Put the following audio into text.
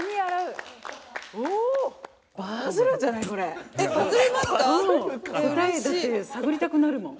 答えだって探りたくなるもん。